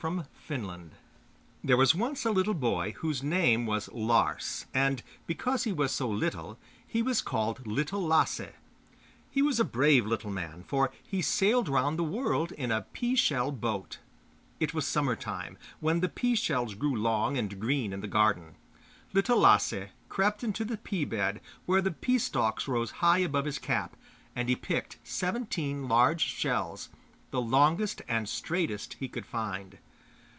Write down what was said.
Little Lasse There was once a little boy whose name was Lars, and because he was so little he was called Little Lasse; he was a brave little man, for he sailed round the world in a pea shell boat. It was summer time, when the pea shells grew long and green in the garden. Little Lasse crept into the pea bed where the pea stalks rose high above his cap, and he picked seventeen large shells, the longest and straightest he could find.